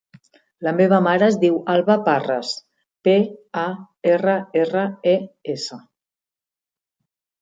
La meva mare es diu Alba Parres: pe, a, erra, erra, e, essa.